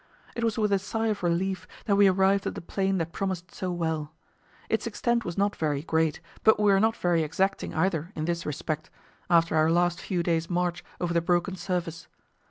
It was with a sigh of relief that we arrived at the plain that promised so well; its extent was not very great, but we were not very exacting either in this respect, after our last few days' march over the broken surface.